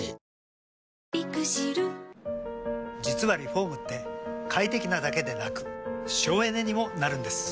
実はリフォームって快適なだけでなく省エネにもなるんです。